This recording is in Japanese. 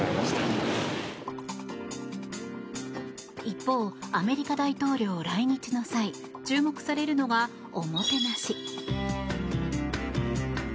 一方、アメリカ大統領来日の際注目されるのは、おもてなし。